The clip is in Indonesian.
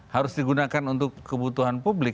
harus digunakan untuk kebutuhan publik